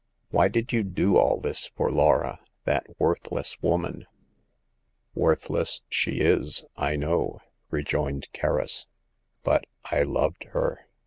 "Why did you do all this for Laura— that worthless woman ?"" Worthless she is, I know," rejoined Kerris ;" but — I loved her